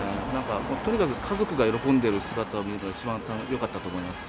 とにかく家族が喜んでいる姿を見られたのが一番よかったです。